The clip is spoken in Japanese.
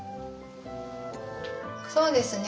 そうですね。